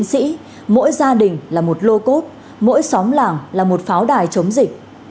khi có chiến sĩ mỗi gia đình là một lô cốt mỗi xóm làng là một pháo đài chống dịch